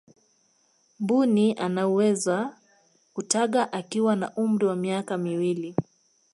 mbuni anawezo kutaga akiwa na umri wa miaka miwili